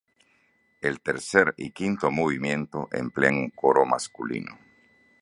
El tercer y quinto movimiento emplean un coro masculino.